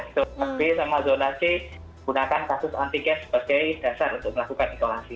zona b sama zona c menggunakan kasus antigen sebagai dasar untuk melakukan isolasi